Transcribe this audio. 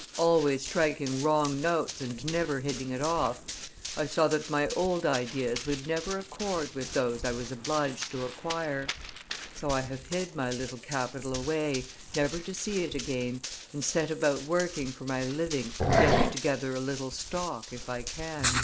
Always striking wrong notes and never hitting it off, I saw that my old ideas would never accord with those I was obliged to acquire; so I have hid my little capital away, never to see it again, and set about working for my living and getting together a little stock, if I can."